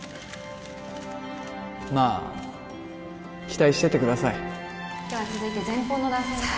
まあ期待しててください・では続いて前方の男性の方